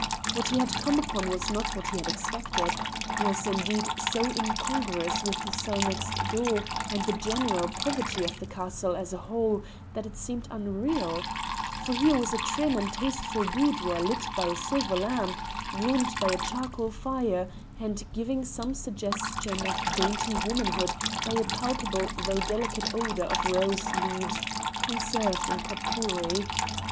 What he had come upon was not what he had expected, was, indeed, so incongruous with the cell next door and the general poverty of the castle as a whole that it seemed unreal; for here was a trim and tasteful boudoir lit by a silver lamp, warmed by a charcoal fire, and giving some suggestion of dainty womanhood by a palpable though delicate odour of rose leaves conserved in pot pourri.